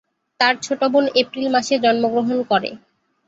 তার ছোট বোন এপ্রিল মাসে জন্মগ্রহণ করে।